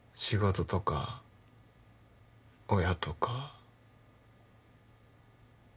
仕事とか親とか。